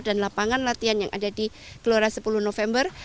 dan lapangan latihan yang ada di glora sepuluh november